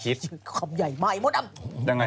จากกระแสของละครกรุเปสันนิวาสนะฮะ